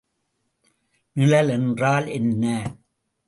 நிழல் என்றால் என்ன?